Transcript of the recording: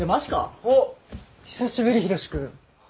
おっ久しぶり浩志君。